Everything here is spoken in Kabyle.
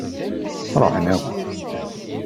Ṛuḥen akk.